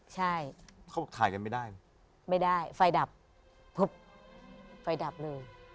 ใช่เขาบอกถ่ายกันไม่ได้เลยไม่ได้ไฟดับพึบไฟดับเลย